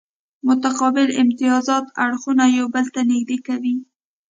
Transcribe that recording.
متقابل امتیازات اړخونه یو بل ته نږدې کوي